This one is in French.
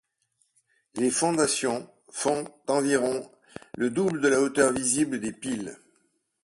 Les fondations font environ le double de la hauteur visibles des piles.